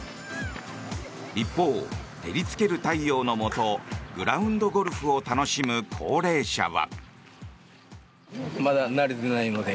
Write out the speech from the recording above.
一方、照りつける太陽のもとグラウンド・ゴルフを楽しむ高齢者は。